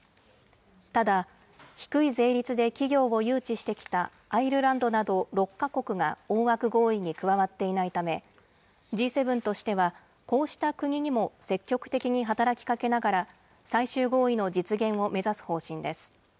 ただ、低い税率で企業を誘致してきたアイルランドなど６か国が大枠合意に加わっていないため、Ｇ７としてはこうした国にも積極的に働きかけながら、最終合意の実現を目指す方針です。